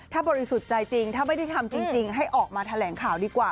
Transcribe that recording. ถ้าบริสุทธิ์ใจจริงถ้าไม่ได้ทำจริงให้ออกมาแถลงข่าวดีกว่า